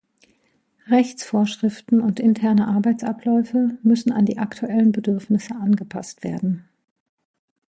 Rechtsvorschriften und interne Arbeitsabläufe müssen an die aktuellen Bedürfnisse angepasst werden.